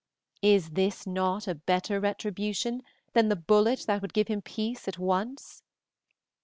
Is not this a better retribution than the bullet that would give him peace at once?"